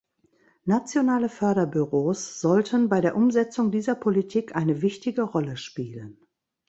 Nationale Förderbüros sollten bei der Umsetzung dieser Politik eine wichtige Rolle spielen.